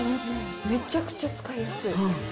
めちゃくちゃ使いやすい。